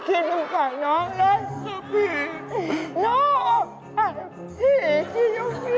ผิดตรงจากน้องแหละครับพี่น้องหิ